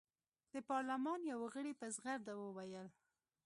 د پارلمان یوه غړي په زغرده وویل.